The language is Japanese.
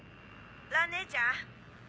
蘭姉ちゃん。